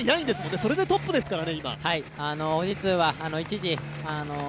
それで今トップですからね。